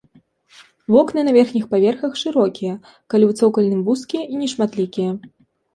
Вокны на верхніх паверхах шырокія, калі ў цокальным вузкія і нешматлікія.